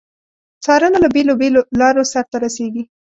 څارنه له بیلو بېلو لارو سرته رسیږي.